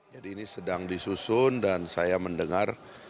jadi ini sedang di susun dan saya mendengar